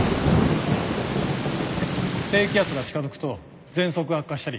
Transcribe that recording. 低気圧が近づくとぜんそくが悪化したり。